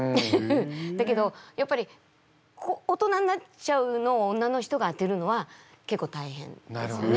だけどやっぱり大人になっちゃうのを女の人が当てるのは結構大変ですね。